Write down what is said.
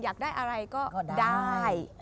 อยากได้อะไรก็ได้